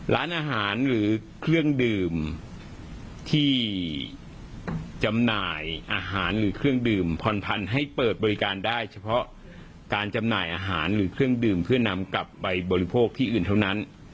ร้านอาหารหรือเครื่องดื่มที่จำหน่ายอาหารหรือเครื่องดื่มผ่อนพันธุ์ให้เปิดบริการได้เฉพาะการจำหน่ายอาหารหรือเครื่องดื่มเพื่อนำกลับไปบริโภคที่อื่นเท่านั้น